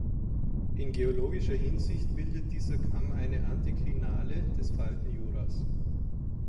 In geologischer Hinsicht bildet dieser Kamm eine Antiklinale des Faltenjuras.